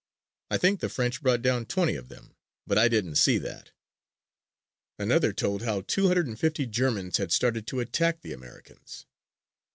I think the French brought down twenty of them, but I didn't see that." Another told how two hundred and fifty Germans had started to attack the Americans.